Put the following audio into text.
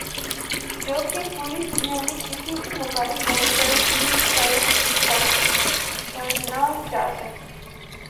جو کہ پوری دنیا میں کِسی بھی موبائل فون پر بھی پڑھنا جاسکیں